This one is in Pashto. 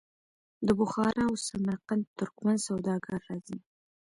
د بخارا او سمرقند ترکمن سوداګر راځي.